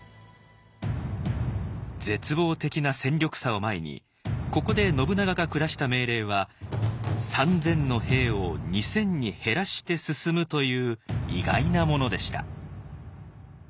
絶望的な戦力差を前にここで信長が下した命令は三千の兵を二千に減らして進むという意外なものでした。